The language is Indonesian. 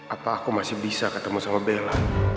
apa aku masih bisa ketemu sama bella